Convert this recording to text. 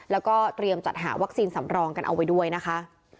แล้วก็เตรียมจัดหาวัคซีนสำรองกันเอาไว้ด้วยนะคะ